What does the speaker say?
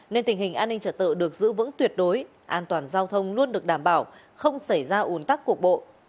nên tình hình an ninh trật tự được giữ vững tuyệt đối an toàn giao thông luôn được đảm bảo không xảy ra ủn tắc cục bộ